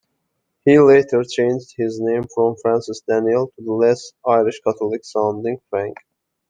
He later changed his name from Francis Daniel to the less Irish Catholic-sounding Frank.